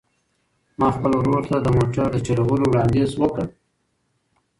ما خپل ورور ته د موټر د چلولو وړاندیز وکړ.